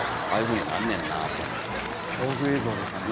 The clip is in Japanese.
恐怖映像でしたね